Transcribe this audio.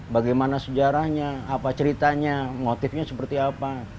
bagaimana sejarahnya apa ceritanya motifnya seperti apa